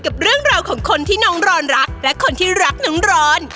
กับเรื่องราวของคนที่น้องรอนรักและคนที่รักน้องร้อน